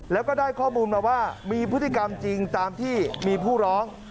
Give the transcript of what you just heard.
แล้วก็ได้ข้อมูลมาว่ามีพฤติกรรมจริงตามที่มีผู้ร้อง